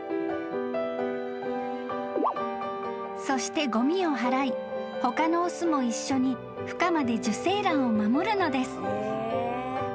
［そしてごみを払い他の雄も一緒にふ化まで受精卵を守るのです］